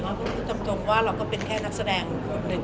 เพราะคุณพูดจำตรงว่าเราก็เป็นแค่นักแสดงของคนหนึ่ง